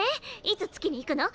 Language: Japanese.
いつ月に行くの？